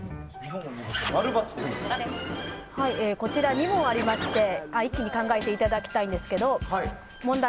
こちら２問ありまして一気に考えていただきたいんですが問題